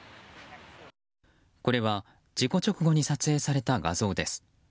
これは事故直後に撮影された画像です。